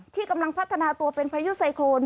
ที่กำลังพัฒนาตัวเป็นพายุไซโครน